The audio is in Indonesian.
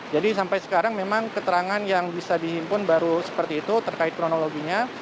jadi sampai sekarang memang keterangan yang bisa dihimpun baru seperti itu terkait kronologinya